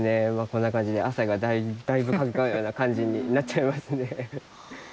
こんな感じで汗がだいぶかくような感じになっちゃいますね。